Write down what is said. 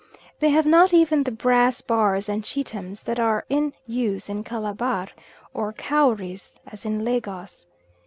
They have not even the brass bars and cheetems that are in us in Calabar, or cowries as in Lagos.